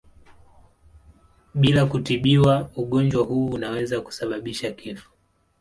Bila kutibiwa ugonjwa huu unaweza kusababisha kifo.